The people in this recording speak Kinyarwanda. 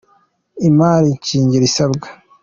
Imari shingiro isabwa